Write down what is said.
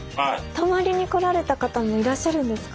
泊まりに来られた方もいらっしゃるんですか？